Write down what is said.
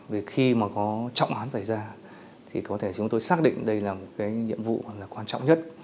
vì khi mà có trọng án xảy ra thì có thể chúng tôi xác định đây là một cái nhiệm vụ là quan trọng nhất